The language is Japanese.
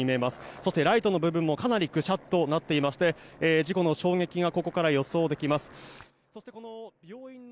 そして、ライトの部分もかなりぐしゃっとなっていまして事故の衝撃がここから予想できます。